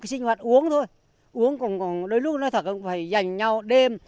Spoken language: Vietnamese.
nước sinh hoạt uống thôi uống còn đôi lúc nói thật phải dành nhau đêm